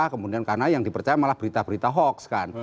kemudian karena yang dipercaya malah berita berita hoax kan